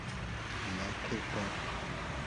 Lake Park